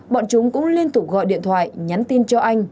bọn chúng cũng liên tục gọi điện thoại nhắn tin cho anh